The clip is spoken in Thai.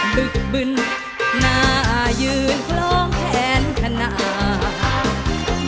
ตึกบึนหน้ายืนคล้องแขนขนาด